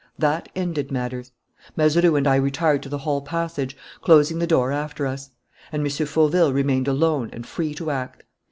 ... That ended matters. "Mazeroux and I retired to the hall passage, closing the door after us; and M. Fauville remained alone and free to act.